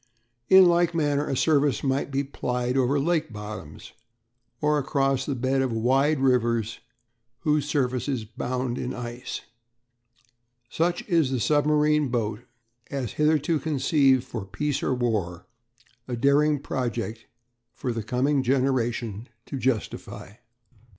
In like manner a service might be plied over lake bottoms, or across the bed of wide rivers whose surface is bound in ice. Such is the submarine boat as hitherto conceived for peace or war a daring project for the coming generation to justify.